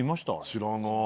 知らない。